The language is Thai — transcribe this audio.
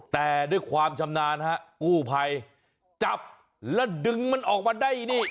แต่ด้วยความชำนาญฮะกู้ภัยจับแล้วดึงมันออกมาได้นี่